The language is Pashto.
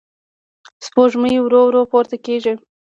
سپوږمۍ ورو ورو پورته کېږي.